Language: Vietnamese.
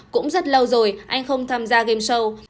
cũng rất lâu rồi anh không tham gia game show